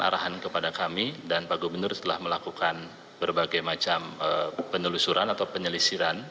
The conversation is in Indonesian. arahan kepada kami dan pak gubernur telah melakukan berbagai macam penelusuran atau penyelisiran